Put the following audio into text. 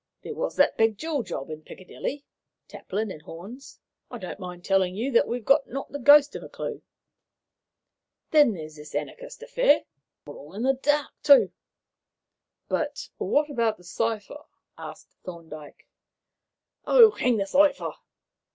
There was that big jewel job in Piccadilly, Taplin and Horne's; I don't mind telling you that we've not got the ghost of a clue. Then there's this anarchist affair. We're all in the dark there, too." "But what about the cipher?" asked Thorndyke. "Oh, hang the cipher!"